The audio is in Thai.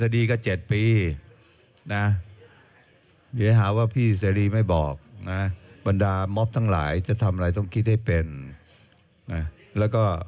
เดี๋ยวลองไปฟังนะ